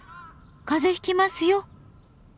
風邪ひきますよ！